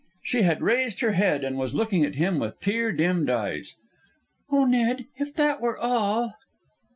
She had raised her head and was looking at him with tear dimmed eyes. "Oh, Ned, if that were all!"